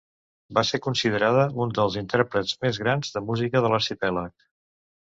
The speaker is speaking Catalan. Va ser considerada un dels intèrprets més grans de música de l'arxipèlag.